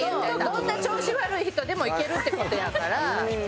どんな調子悪い人でもいけるって事やから。